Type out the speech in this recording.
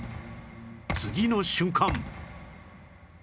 次の瞬間